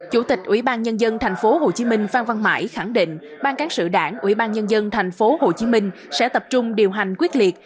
chủ tịch ủy ban nhân dân tp hcm phan văn mãi khẳng định ban cán sự đảng ủy ban nhân dân tp hcm sẽ tập trung điều hành quyết liệt